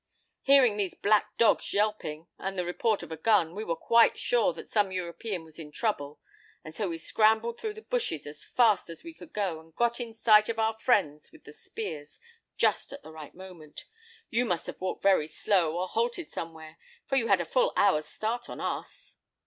Hearing these black dogs yelping, and the report of a gun, we were quite sure that some European was in trouble, and so we scrambled through the bushes as fast as we could go, and got in sight of our friends with the spears just at the right moment. You must have walked very slow, or halted somewhere, for you had a full hour's start of us."